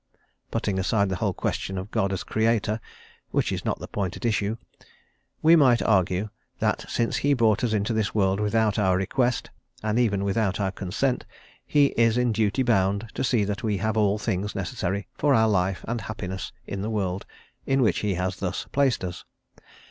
Putting aside the whole question of God as Creator, which is not the point at issue, we might argue that, since he brought us into this world without our request, and even without our consent, he is in duty bound to see that we have all things necessary for our life and happiness in the world in which he has thus placed us.